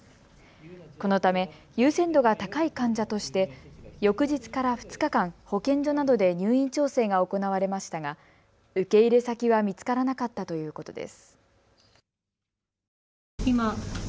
このため優先度が高い患者として翌日から２日間、保健所などで入院調整が行われましたが受け入れ先は見つからなかったということです。